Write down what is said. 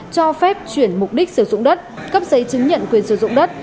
cho phép chuyển mục đích sử dụng đất cấp giấy chứng nhận quyền sử dụng đất